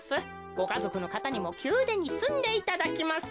ごかぞくのかたにもきゅうでんにすんでいただきます。